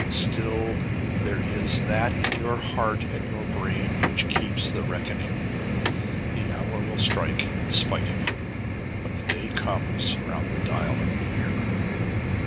Still there is that in your heart and your brain which keeps the reckoning. The hour will strike, in spite of you, when the day comes round on the dial of the year.